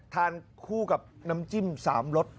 ทานคู่กับน้ำจิ้ม๓รส